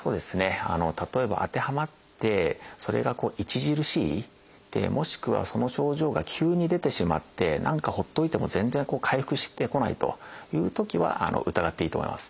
例えば当てはまってそれが著しいもしくはその症状が急に出てしまって何かほっといても全然回復してこないというときは疑っていいと思います。